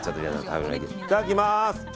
いただきます。